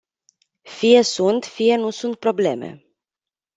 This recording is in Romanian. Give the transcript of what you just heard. Fie sunt, fie nu sunt probleme.